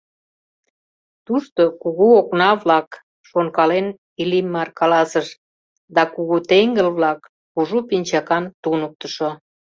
— Тушто кугу окна-влак, — шонкален, Иллимар каласыш, — да кугу теҥгыл-влак, кужу пинчакан туныктышо.